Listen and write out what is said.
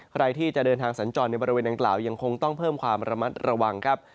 ใครที่จะเดินทางสัญจรในบริเวณดังกล่าวยังคงต้องเพิ่มความระมัดระวังครับ